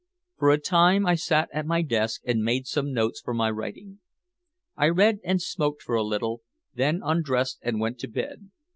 For a time I sat at my desk and made some notes for my writing. I read and smoked for a little, then undressed and went to bed.